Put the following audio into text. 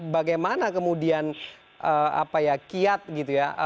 bagaimana kemudian kiat gitu ya